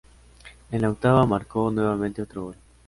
En la octava marcó nuevamente otro gol.